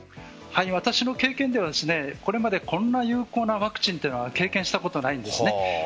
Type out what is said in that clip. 私の経験ではこれまでこんな有効なワクチンは経験したことがないんです。